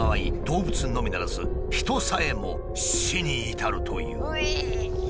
動物のみならず人さえも死に至るという。